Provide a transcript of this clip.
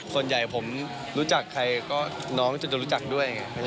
ส่วนใหญ่ผมรู้จักใครก็น้องจะรู้จักด้วย